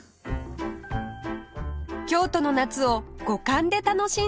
京都の夏を五感で楽しんだ純ちゃん